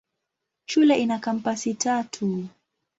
Shule ina kampasi tatu.